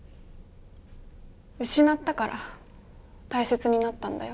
失ったからたいせつになったんだよ。